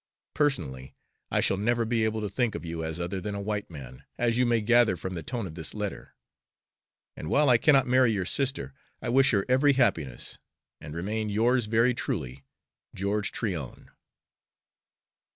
Personally, I shall never be able to think of you as other than a white man, as you may gather from the tone of this letter; and while I cannot marry your sister, I wish her every happiness, and remain, Yours very truly, GEORGE TRYON.